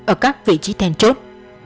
ở các vị trí thèn chốt